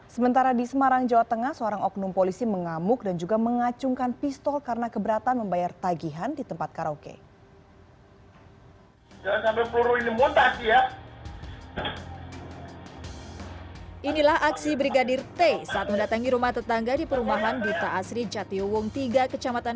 sementara di semarang jawa tengah seorang oknum polisi mengamuk dan juga mengacungkan pistol karena keberatan membayar tagihan di tempat karaoke